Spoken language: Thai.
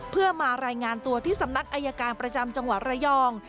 เพื่อมารายงานตัวที่สำนักอายการประจำจังหวัดระยอง